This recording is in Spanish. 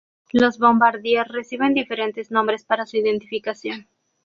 Los Bombardier reciben diferentes nombres para su identificación.